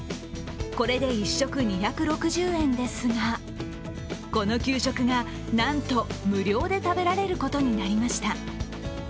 これで１食２６０円ですが、この給食がなんと無料で食べられることになりました。